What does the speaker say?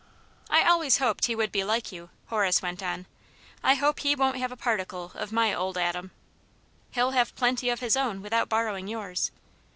" I always hoped he would be like you," Horace went on. •* I hope he won't have a particle of my old Adam/' ^* He'll have plenty of his own without borrowing yours.